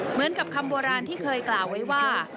เหมือนกับคำโบราณที่เคยกล่าวไว้ว่า